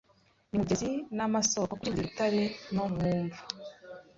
Numugezi namasoko Kuri buri rutare no mu mva;